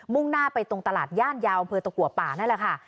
่งหน้าไปตรงตลาดย่านยาวอำเภอตะกัวป่านั่นแหละค่ะ